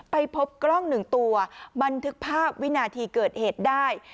ไปพบกล้องหนึ่งตัวบันทึกภาพวินาทีเกิดเหตุได้